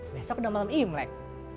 besok udah malam imlek